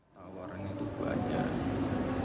tawaran itu banyak